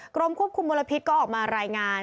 กรมควบคุมมลพิษก็ออกมารายงาน